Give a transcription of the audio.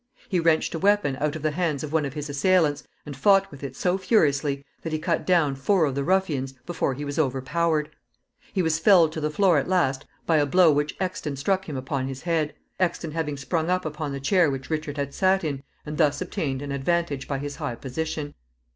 He wrenched a weapon out of the hands of one of his assailants, and fought with it so furiously that he cut down four of the ruffians before he was overpowered. He was felled to the floor at last by a blow which Exton struck him upon his head, Exton having sprung up upon the chair which Richard had sat in, and thus obtained an advantage by his high position.